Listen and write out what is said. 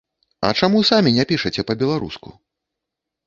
А чаму самі не пішаце па-беларуску?